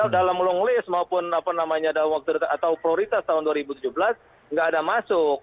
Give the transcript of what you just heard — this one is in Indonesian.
dalam long list maupun apa namanya atau prioritas tahun dua ribu tujuh belas nggak ada masuk